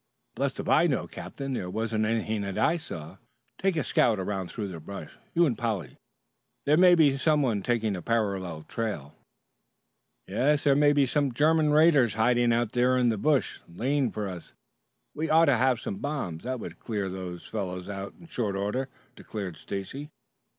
"I'm blest if I know, Captain. There wasn't anything that I saw." "Take a scout around through the brush, you and Polly. There may be some one taking a parallel trail." "Yes, there may be some German raiders hiding out there in the bush, laying for us. We ought to have some bombs. They would clean those fellows out in short order," declared Stacy.